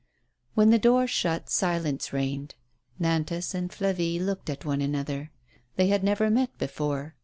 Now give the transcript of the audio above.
When the door shut silence reigned. Nantas and Flavie looked at one another. They had never met before.